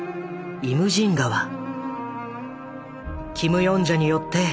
「イムジン河水